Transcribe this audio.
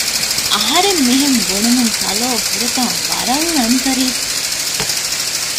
އަހަރެން މިހެން ބުނުމުން ކަލޯ ފުރަތަމަ ވަރަށް އަންތަރީސްވި